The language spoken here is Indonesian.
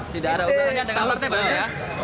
tidak ada urusannya dengan partai partai